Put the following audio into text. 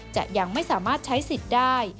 จะยังไม่สามารถใช้สิทธิ์ได้